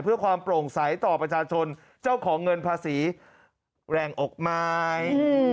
เพื่อความโปร่งใสต่อประชาชนเจ้าของเงินภาษีแรงอกไม้